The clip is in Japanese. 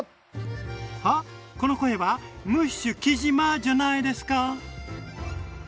あっこの声はムッシュきじまじゃないですか！